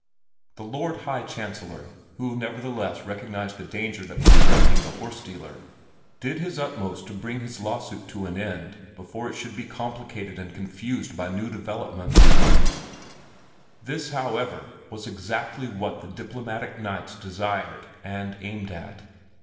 The Lord High Chancellor, who nevertheless recognized the danger that was threatening the horse dealer, did his utmost to bring his lawsuit to an end before it should be complicated and confused by new developments; this, however, was exactly what the diplomatic knights desired and aimed at.